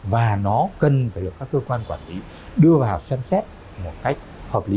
và nó cần phải được các cơ quan quản lý đưa vào xem xét một cách hợp lý